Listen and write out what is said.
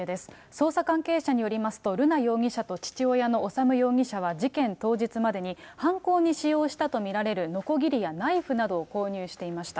捜査関係者によりますと、瑠奈容疑者と父親の修容疑者は事件当日までに犯行に使用したと見られるのこぎりやナイフなどを購入していました。